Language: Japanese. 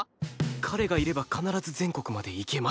「彼がいれば必ず全国まで行けます！」